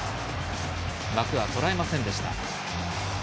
枠はとらえませんでした。